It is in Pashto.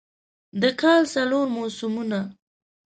د کال څلور موسمونه